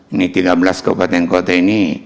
ini tiga belas kabupaten kota ini